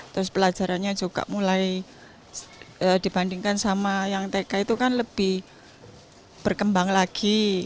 terus pelajarannya juga mulai dibandingkan sama yang tk itu kan lebih berkembang lagi